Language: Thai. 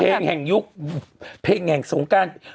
เพลงแห่งยุคเพลงแห่งสงการ